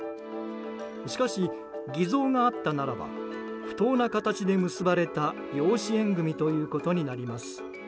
しかし、偽造があったならば不当な形で結ばれた養子縁組ということになります。